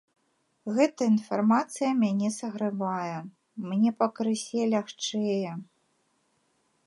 Гэта інфармацыя мяне сагравае, мне пакрысе лягчэе.